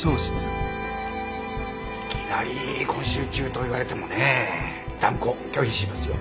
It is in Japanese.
いきなり今週中と言われてもね断固拒否しますよ。